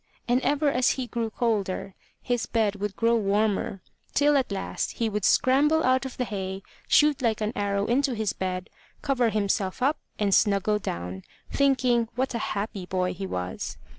And ever as he grew colder, his bed would grow warmer, till at last he would scramble out of the hay, shoot like an arrow into his bed, cover himself up, and snuggle down, thinking what a happy boy he was.